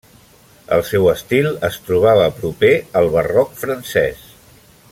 El seu estil es trobava proper al barroc francès.